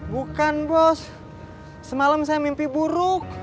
bukan bos semalam saya mimpi buruk